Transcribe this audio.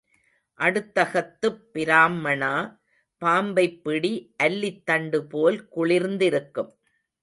அடுத்தகத்துப் பிராம்மணா பாம்பைப் பிடி அல்லித் தண்டுபோல் குளிர்ந்திருக்கும்.